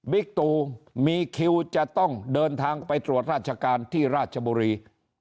ตูมีคิวจะต้องเดินทางไปตรวจราชการที่ราชบุรี